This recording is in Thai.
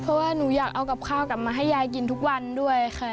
เพราะว่าหนูอยากเอากับข้าวกลับมาให้ยายกินทุกวันด้วยค่ะ